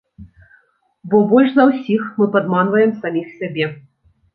Бо больш за ўсіх, мы падманваем саміх сябе.